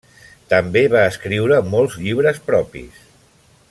També va escriure molts llibres propis.